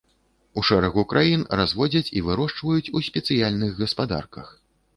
У шэрагу краін разводзяць і вырошчваюць у спецыяльных гаспадарках.